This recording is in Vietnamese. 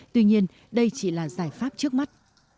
tuy nhiên đây chỉ là giải pháp trước mắt